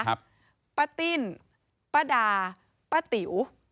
ป้าติ้นป้าดาป้าติ๋ว